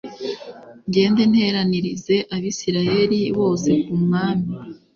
ngende nteranirize abisirayeli bose ku mwami